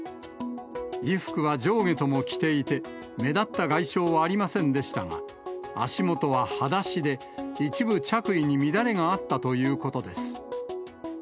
衣服は上下とも着ていて、目立った外傷はありませんでしたが、足元ははだしで、一部着衣に乱れがあったということです。